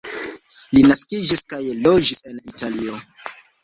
Li naskiĝis kaj loĝis en Italio.